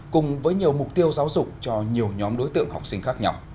cùng với nhiều mục tiêu giáo dục cho nhiều nhóm đối tượng học sinh khác nhau